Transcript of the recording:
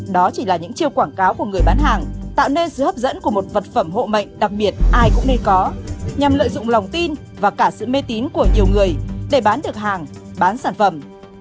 đó chỉ là những chiêu quảng cáo của người bán hàng tạo nên sự hấp dẫn của một vật phẩm hộ mệnh đặc biệt ai cũng nên có nhằm lợi dụng lòng tin và cả sự mê tín của nhiều người để bán được hàng bán sản phẩm